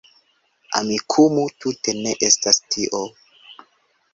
Amikumu tute ne estas tio